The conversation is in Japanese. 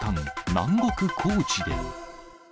南国、高知で。